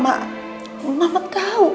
mama tahu mama udah jelaskan semuanya